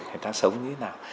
người ta sống như thế nào